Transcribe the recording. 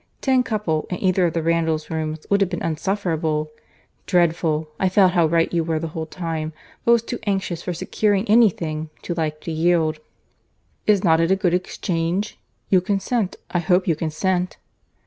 Ten couple, in either of the Randalls rooms, would have been insufferable!—Dreadful!—I felt how right you were the whole time, but was too anxious for securing any thing to like to yield. Is not it a good exchange?—You consent—I hope you consent?"